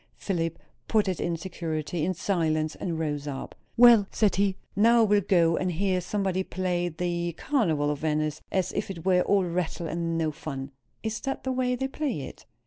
Philip put it in security, in silence, and rose up. "Well," said he, "now I will go and hear somebody play the 'Carnival of Venice,' as if it were all rattle and no fun." "Is that the way they play it?"